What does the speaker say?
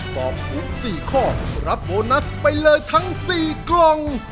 ตอบถูก๔ข้อรับโบนัสไปเลยทั้ง๔กล่อง